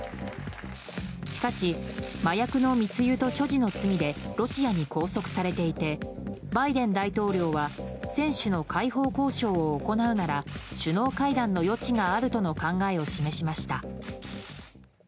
しかし、麻薬の密輸と所持の罪でロシアに拘束されていてバイデン大統領は選手の解放交渉を行うなら首脳会談の余地があるとの考えを示しました。